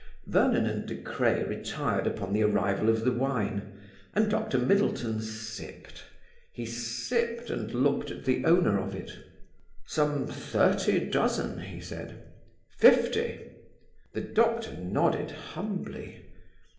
Vernon and De Craye retired upon the arrival of the wine; and Dr. Middleton sipped. He sipped and looked at the owner of it. "Some thirty dozen?" he said. "Fifty." The doctor nodded humbly.